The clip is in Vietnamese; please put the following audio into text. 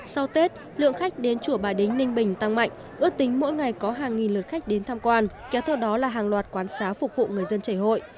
sau tết lượng khách đến chùa bài đính ninh bình tăng mạnh ước tính mỗi ngày có hàng nghìn lượt khách đến tham quan kéo theo đó là hàng loạt quán xá phục vụ người dân chảy hội